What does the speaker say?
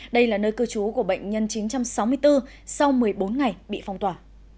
đây là nơi cư trú của bệnh nhân chín trăm sáu mươi bốn sau một mươi bốn ngày bị phong tỏa